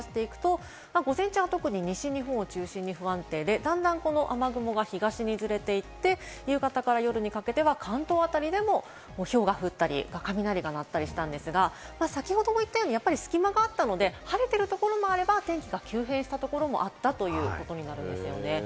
午前中は特に西日本を中心に不安定で、段々、この雨雲が東にずれていって、夕方から夜にかけては関東あたりでもひょうが降ったり、雷が鳴ったりしたんですが、先ほども言ったように隙間があったので、晴れてるところもあれば、天気が急変したところもあったということになるんですよね。